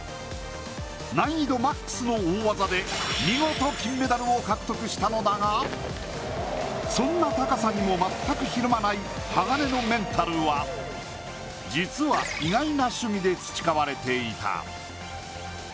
難易度マックスの大技で見事、金メダルを獲得したのだがそんな高さにも全くひるまない鋼のメンタルは実は意外な趣味で培われていた。